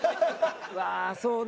うわそうね